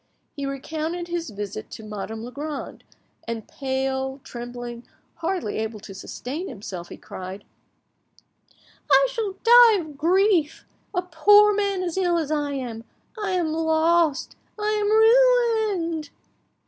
He recounted his visit to Madame Legrand, and pale, trembling, hardly able to sustain himself, he cried— "I shall die of grief! A poor man as ill as I am! I am lost! I am ruined!"